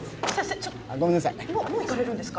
ちょっとごめんなさいももう行かれるんですか？